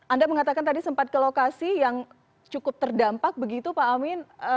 anda mengatakan tadi sempat ke lokasi yang cukup terdampak begitu pak amin